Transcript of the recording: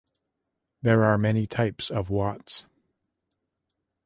There are many types of wats.